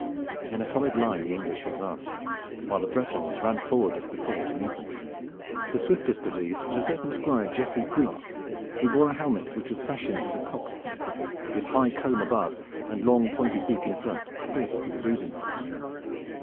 In a solid line the English advanced, while the Bretons ran forward as before to meet them. The swiftest of these was a certain Squire, Geoffrey Poulart, who bore a helmet which was fashioned as a cock's head, with high comb above, and long pointed beak in front pierced with the breathing holes.